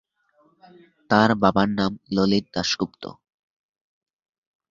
তার বাবার নাম ললিত দাশগুপ্ত।